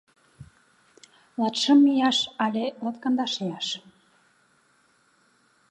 Латшым ияш але латкандаш ияш?